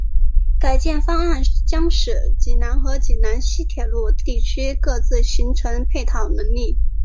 改建方案将使济南和济南西铁路地区各自形成配套能力。